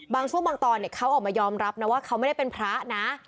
บางช่วงบางตอนเขาออกมายอมรับนะว่าเขาไม่ได้เป็นพระนะ